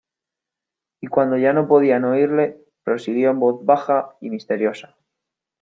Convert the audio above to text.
y cuando ya no podían oírle, prosiguió en voz baja y misteriosa: